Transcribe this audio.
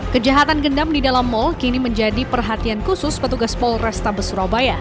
kejahatan gendam di dalam mal kini menjadi perhatian khusus petugas polrestabes surabaya